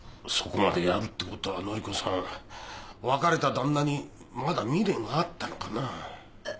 そこまでやるってことは乃梨子さん別れた旦那にまだ未練があったのかな。